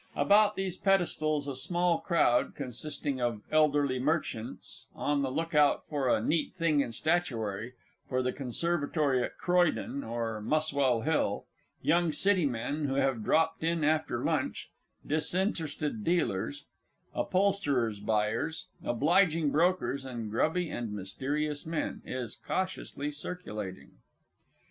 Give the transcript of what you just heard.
About these pedestals a small crowd consisting of Elderly Merchants on the look out for a "neat thing in statuary" for the conservatory at Croydon or Muswell Hill, Young City Men who have dropped in after lunch, Disinterested Dealers, Upholsterers' Buyers, Obliging Brokers, and Grubby and Mysterious men is cautiously circulating.